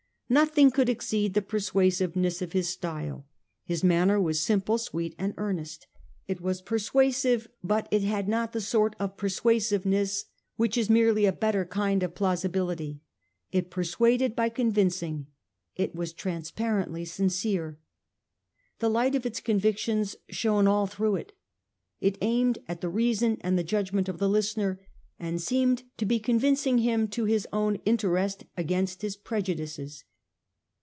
Nothing could exceed the persuasiveness of his style. His manner was simple, sweet and earnest. It was persuasive, but it had not the sort of persuasiveness which is merely a better kind of plausibility. It persuaded by convincing. It was transparently sincere. The light of its convictions shone all through it. It aimed at the reason and the judgment of the listener, and seemed to be convincing him to his own inte rest against his prejudices.